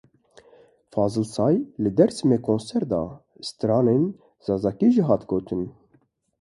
Fazil Say li Dêrsimê konser da, stranên Zazakî jî hatin gotin.